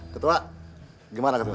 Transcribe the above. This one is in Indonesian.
ketua gimana ketua